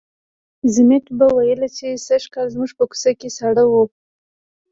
ضمټ به ویل چې سږکال زموږ په کوڅه کې ساړه وو.